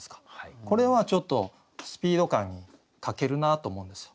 これはちょっとスピード感に欠けるなと思うんですよ。